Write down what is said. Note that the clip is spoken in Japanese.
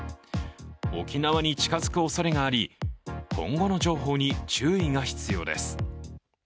沖縄に近づくおそれがあり、今後の情報に注意が必要です。